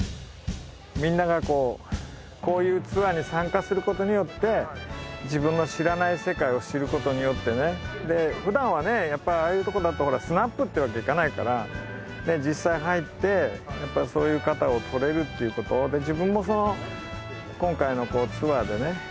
みんながこうこういうツアーに参加することによって自分の知らない世界を知ることによってねふだんはねああいうとこだとスナップってわけにいかないから実際入ってそういう方を撮れるっていうことで自分も今回のツアーでね